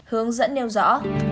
hướng dẫn nêu rõ